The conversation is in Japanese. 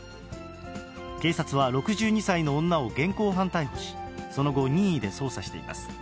警察は６２歳の女を現行犯逮捕し、その後、任意で捜査しています。